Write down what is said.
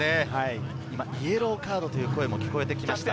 「イエローカード」という声も聞こえてきました。